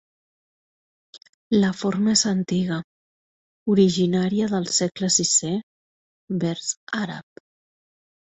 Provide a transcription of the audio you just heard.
La forma és antiga, originària del segle sisè vers àrab.